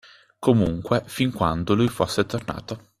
Comunque fin quando lui fosse tornato